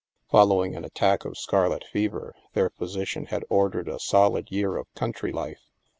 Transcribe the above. Following an attack of scarlet fever, their physician had ordered a solid year of country life.